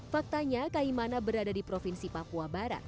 faktanya kaimana berada di provinsi papua barat